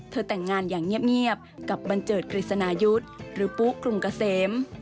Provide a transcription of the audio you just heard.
แต่งงานอย่างเงียบกับบันเจิดกฤษนายุทธ์หรือปุ๊กรุงเกษม